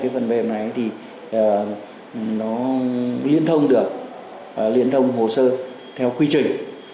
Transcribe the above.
phần mềm này thì nó liên thông được liên thông hồ sơ theo quy trình